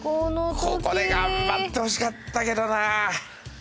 ここで頑張ってほしかったけどな。